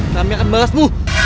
kami akan balasmu